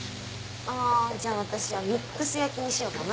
あじゃあ私はミックス焼きにしようかな。